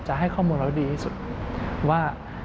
จะให้ข้อมูลแล้วดีที่สุดว่า